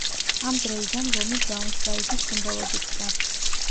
ამ დროიდან ლომი ბრაუნშვაიგის სიმბოლოდ იქცა.